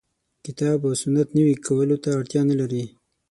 کتاب او سنت نوي کولو ته اړتیا نه لري.